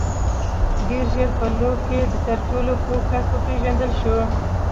• ډېر ژر په لو کې تر ټولو پوه کس وپېژندل شو.